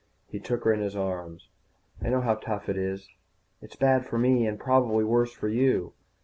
_ He took her in his arms. "I know how tough it is. It's bad enough for me, and probably worse for you.